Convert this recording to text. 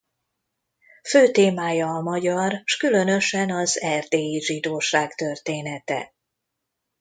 Fő témája a magyar s különösen az erdélyi zsidóság története.